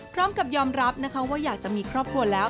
พร้อมกับยอมรับนะคะว่าอยากจะมีครอบครัวแล้ว